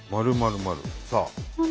「○○○」さあ。